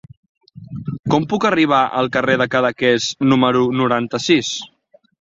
Com puc arribar al carrer de Cadaqués número noranta-sis?